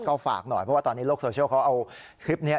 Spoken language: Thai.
ก็ฝากหน่อยเพราะว่าตอนนี้โลกโซเชียลเขาเอาคลิปนี้